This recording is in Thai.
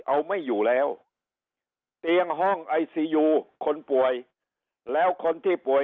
เอาไม่อยู่แล้วเตียงห้องไอซียูคนป่วยแล้วคนที่ป่วย